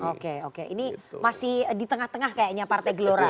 oke oke ini masih di tengah tengah kayaknya partai gelora